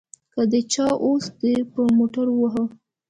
که د چا اوښ دې په موټر ووهه.